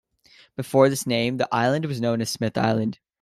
Before this name, the island was known as Smith Island.